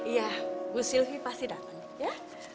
iya bu sylvi pasti datang ya